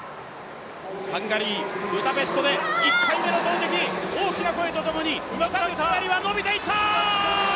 ハンガリー・ブダペストで１回目の投てき、大きな声とともにやりがのびていった！